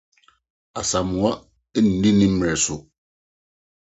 Asamoah nni ne berɛ so.